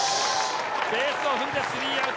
ベースを踏んで３アウト。